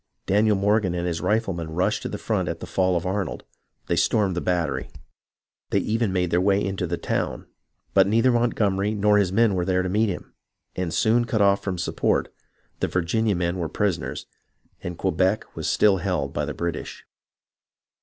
Daniel Morgan and his riflemen rushed to the front at the fall of Arnold. They stormed the battery. They even made their way into the town ; but neither Montgomery nor his men were there to meet him, and soon cut off from support, the Virginia men were prisoners, and Quebec was still held by the British.